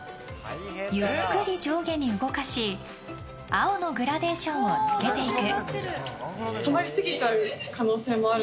ゆっくり上下に動かし青のグラデーションをつけていく。